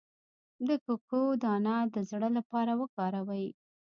د کوکو دانه د زړه لپاره وکاروئ